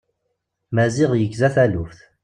Maziɣ yegza taluft.